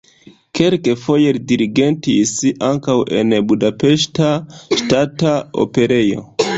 Kelkfoje li dirigentis ankaŭ en Budapeŝta Ŝtata Operejo.